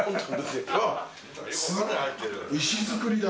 石造りだ。